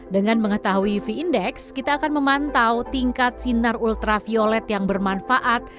dengan mengetahui uv index kita akan memantau tingkat sinar ultraviolet yang bermanfaat